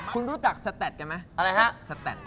คุณรู้จักสแตดกันไหมอะไรฮะสแตน